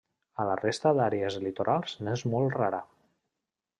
A la resta d'àrees litorals n'és molt rara.